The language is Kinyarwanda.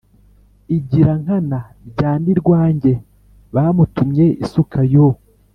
igirankana bya Nirwange bamutumye isuka yo